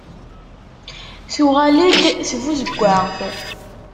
Tuɣal-d tbuzeggaɣt.